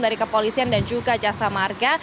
dari kepolisian dan juga jasa marga